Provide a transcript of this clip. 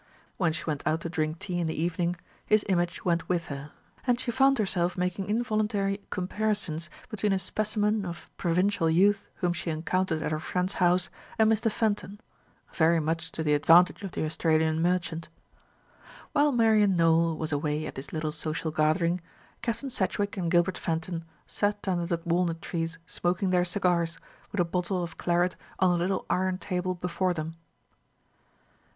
When she went out to drink tea in the evening his image went with her; and she found herself making involuntary comparisons between a specimen of provincial youth whom she encountered at her friend's house and Mr. Fenton, very much to the advantage of the Australian merchant. While Marian Nowell was away at this little social gathering, Captain Sedgewick and Gilbert Fenton sat under the walnut trees smoking their cigars, with a bottle of claret on a little iron table before them.